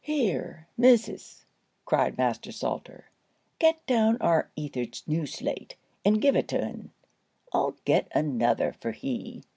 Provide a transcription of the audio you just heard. "Here, missus," cried Master Salter; "get down our Etherd's new slate, and give it to un; I'll get another for he.